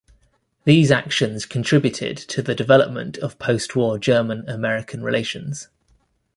These actions contributed to the development of post war German-American relations.